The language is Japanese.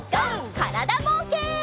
からだぼうけん。